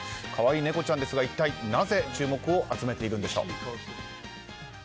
可愛い猫ちゃんですが一体なぜ注目を集めているんでしょう。